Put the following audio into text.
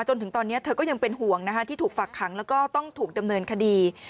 จนถึงตอนนี้เธอก็ยังเป็นห่วงที่ถูกฝากขังแล้วก็ต้องถูกดำเนินคดี